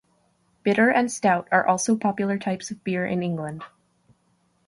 Bitter and stout are also popular types of beer in England.